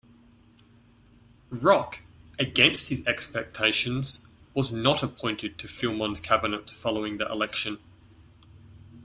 Roch, against his expectations, was not appointed to Filmon's cabinet following the election.